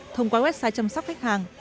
thông qua website chăm sóc khách hàng